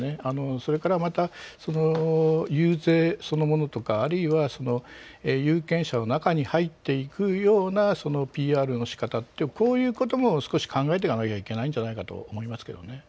それから、遊説そのものとか、あるいは、有権者の中に入っていくようなＰＲのしかた、こういうことも少し考えていかなきゃいけないんじゃないかと思います。